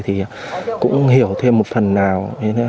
thì cũng hiểu thêm một phần nào